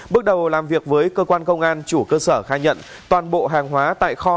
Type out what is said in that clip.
bước đầu làm việc với cơ quan công an chủ cơ sở khai nhận toàn bộ hàng hóa tại kho